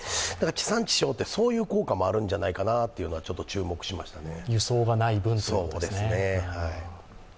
地産地消ってそういう効果もあるんじゃないかなと注目しましたね。